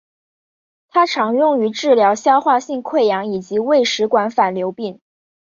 它常用于治疗消化性溃疡以及胃食管反流病。